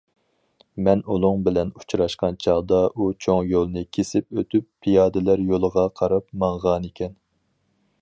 مەن ئۇنىڭ بىلەن ئۇچراشقان چاغدا ئۇ چوڭ يولنى كېسىپ ئۆتۈپ پىيادىلەر يولىغا قاراپ ماڭغانىكەن.